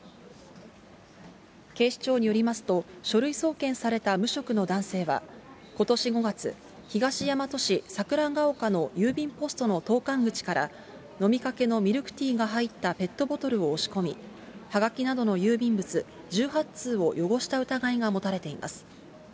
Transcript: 警視庁によりますと、書類送検された無職の男性は、ことし５月、東大和市さくらがおかの郵便ポストの投かん口から、飲みかけのミルクティーが入ったペットボトルを押し込み、はがきなどの郵便物１８通を汚した疑いが持たれています。